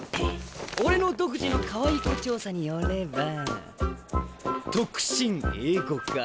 俺の独自のかわいい子調査によれば特進英語科。